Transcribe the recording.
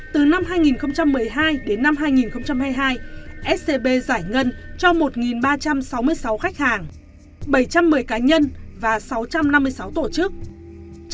từ năm hai nghìn một mươi hai đến năm hai nghìn hai mươi hai scb giải ngân cho một ba trăm sáu mươi sáu khách hàng bảy trăm một mươi cá nhân và sáu trăm năm mươi sáu tổ chức